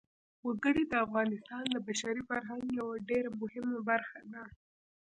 وګړي د افغانستان د بشري فرهنګ یوه ډېره مهمه برخه ده.